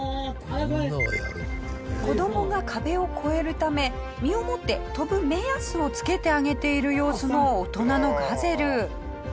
子供が壁を越えるため身をもって跳ぶ目安をつけてあげている様子の大人のガゼル。